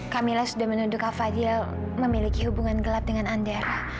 kamilah sudah menuduh kak fadil memiliki hubungan gelap dengan andara